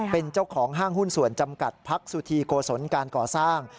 เป็นเจ้าของห้างหุ้นส่วนจำกัดพักสุธีโกศลการก่อสร้าง